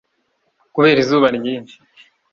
kubera izuba ryinshi